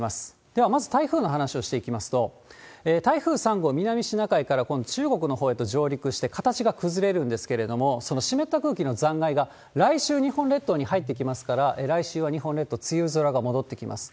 では、まず台風の話をしていきますと、台風３号、南シナ海から今度、中国のほうへと上陸して、形が崩れるんですけれども、その湿った空気の残骸が来週、日本列島に入ってきますから、来週は日本列島、梅雨空が戻ってきます。